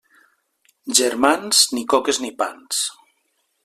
Germans, ni coques ni pans.